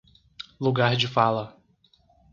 Lugar de fala